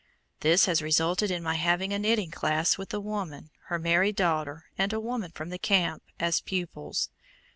This has resulted in my having a knitting class, with the woman, her married daughter, and a woman from the camp, as pupils.